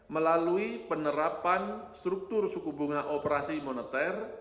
melalui penerapan struktur suku bunga operasi moneter